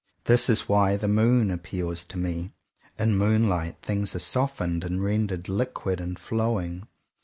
This is why the moon appeals to me. In moonlight, things are softened, and rendered liquid and flowing.